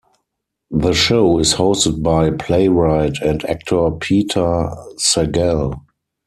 The show is hosted by playwright and actor Peter Sagal.